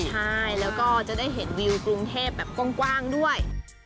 ใช่แล้วก็จะได้เห็นวิวกรุงเทพแบบกว้างด้วย